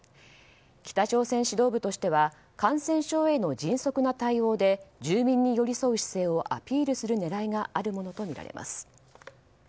北朝鮮指導部としては感染症への迅速な対応で住民に寄り添う姿勢をアピールする狙いがあるものとみられます。